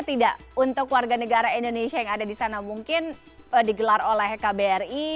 tidak untuk warga negara indonesia yang ada di sana mungkin digelar oleh kbri